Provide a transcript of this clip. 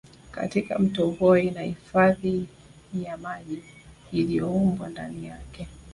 Katika Mto Voi na hifadhi ya maji iliyoumbwa ndani yake